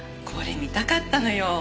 これ見たかったのよ。